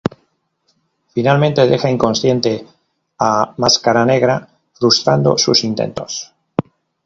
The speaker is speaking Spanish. Finalmente deja inconsciente a Máscara Negra, frustrando sus intentos.